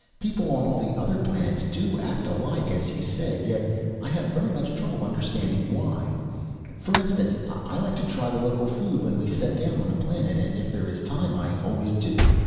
People on all the other planets do act alike, as you said, yet I have very much trouble understanding why. For instance, I like to try the local food when we set down on a planet, and if there is time I always do.